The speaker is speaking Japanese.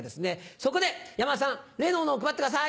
そこで山田さん例のものを配ってください。